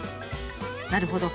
なるほど。